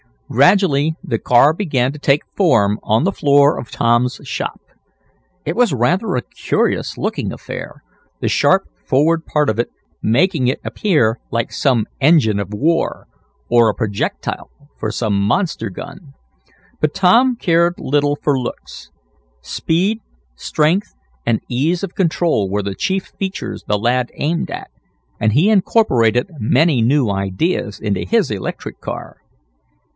Gradually the car began to take form on the floor of Tom's shop. It was rather a curious looking affair, the sharp forward part making it appear like some engine of war, or a projectile for some monster gun. But Tom cared little for looks. Speed, strength and ease of control were the chief features the lad aimed at, and he incorporated many new ideas into his electric car.